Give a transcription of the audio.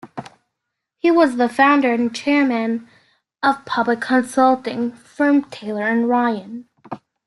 He was the founder and chairman of public consulting firm Taylor and Ryan.